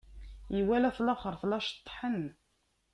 Iwala at laxeṛt la ceṭṭḥen.